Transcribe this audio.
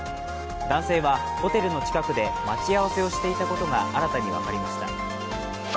男性はホテルの近くで待ち合わせをしていたことが新たに分かりました。